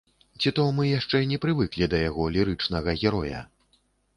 Ці то мы яшчэ не прывыклі да яго лірычнага героя?